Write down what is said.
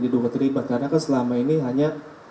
di dua ratus tiga puluh lima karena kan selama ini hanya